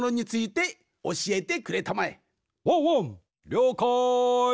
りょうかい。